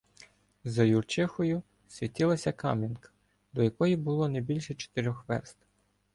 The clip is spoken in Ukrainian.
За Юрчихою світилася Кам'янка, до якої було не більше чотирьох верст.